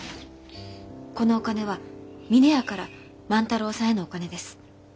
このお金は峰屋から万太郎さんへのお金です。